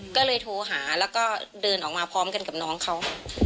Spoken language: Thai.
ก็เลยโทรหาแล้วก็เดินออกมาพร้อมกันกับน้องเขา